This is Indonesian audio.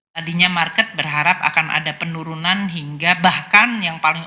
tadinya market berharap akan ada penurunan hingga bahkan yang paling